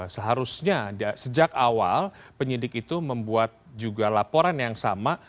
seharusnya sejak awal penyidik itu membuat juga laporan yang sama